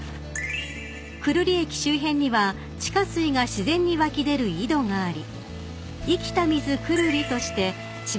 ［久留里駅周辺には地下水が自然に湧き出る井戸があり］